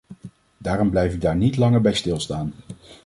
Daarom blijf ik daar niet langer bij stilstaan.